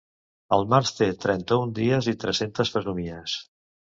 El març té trenta-un dies i tres-centes fesomies.